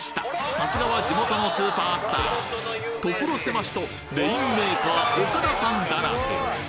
さすがは地元のスーパースター所せましとレインメーカーオカダさんだらけ